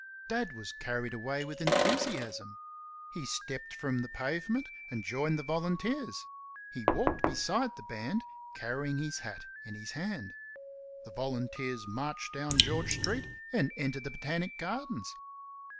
Dad was carried away with enthusiasm. He stepped from the pavement and joined the volunteers. He walked beside the band, carrying his hat in his hand. The volunteers marched down George street and entered the Botanic Gardens.